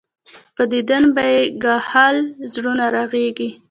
پۀ ديدن به ئې ګهائل زړونه رغيږي